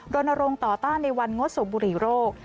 รณรงค์ต่อต้านในวันงดสูบบุหรี่โรค